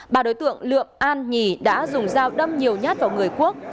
ba đối tượng lượm an nhì đã dùng dao đâm nhiều nhát vào người quốc